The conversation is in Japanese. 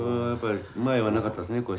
やっぱり前はなかったですね